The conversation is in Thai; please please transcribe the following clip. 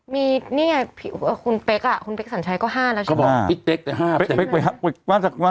มีนี่ไงคุณเป๊กอ่ะคุณเป๊กสัญชัยก็๕แล้วใช่ไหม